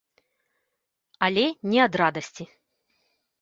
Але не ад радасці.